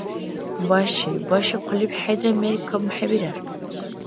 Баши, баши, хъулиб хӀедра мер камхӀебирар.